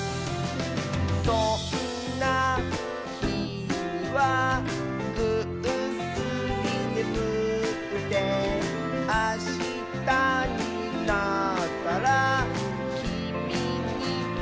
「そんなひにはグッスリねむって」「あしたになったらきみにはなそう」